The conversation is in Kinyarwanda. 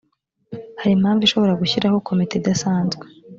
hari impamvu ishobora gushyiraho komite idasanzwe